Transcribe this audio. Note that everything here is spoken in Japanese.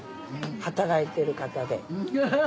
働いてる方で。